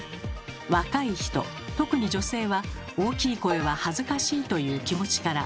若い人特に女性は大きい声は恥ずかしいという気持ちから。